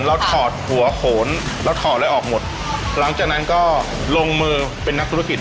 ถอดหัวโขนเราถอดอะไรออกหมดหลังจากนั้นก็ลงมือเป็นนักธุรกิจ